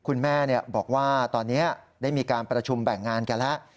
คุณแม่บอกว่าตอนนี้ได้มีการประชุมแบ่งงานกันแล้ว